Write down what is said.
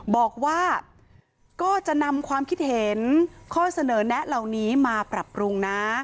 บอกว่าก็จะนำความคิดเห็นข้อเสนอแนะเหล่านี้มาปรับปรุงนะ